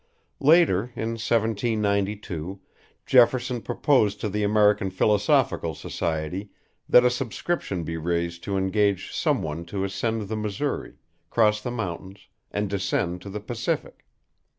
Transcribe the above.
Later, in 1792, Jefferson proposed to the American Philosophical Society that a subscription be raised to engage some one to ascend the Missouri, cross the mountains, and descend to the Pacific.